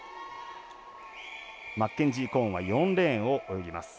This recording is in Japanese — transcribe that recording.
マッケンジー・コーンは４レーンを泳ぎます。